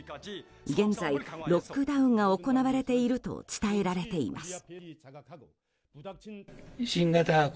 現在、ロックダウンが行われていると伝えられています。